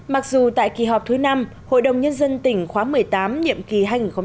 mặc dù tại kỳ họp thứ năm hội đồng nhân dân tỉnh khóa một mươi tám nhiệm kỳ hai nghìn một mươi sáu hai nghìn hai mươi một